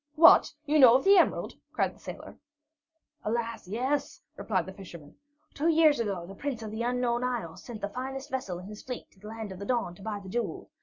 "What! You know of the emerald?" cried the sailor. "Alas, yes," replied the fisherman. "Two years ago the Prince of the Unknown Isles sent the finest vessel in his fleet to the Land of the Dawn to buy the jewel.